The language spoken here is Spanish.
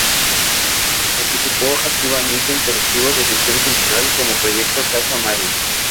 Participó activamente en colectivos de gestión cultural como Proyecto Casa Mario.